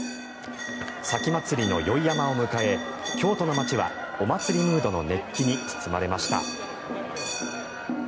前祭の宵山を迎え京都の街はお祭りムードの熱気に包まれました。